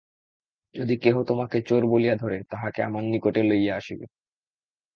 যদি কেহ তোমাকে চোর বলিয়া ধরে তাহাকে আমার নিকটে লইয়া আসিবে।